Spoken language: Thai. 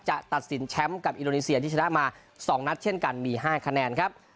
ตัดสินแชมป์กับอินโดนีเซียที่ชนะมา๒นัดเช่นกันมี๕คะแนนครับ